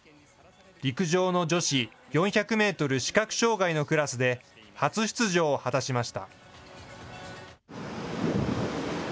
陸上の女子４００メートル視覚障害のクラスで、初出場を果たしました。